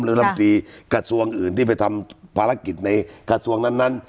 ลำตีกระทรวงอื่นที่ไปทำภารกิจในกระทรวงนั้น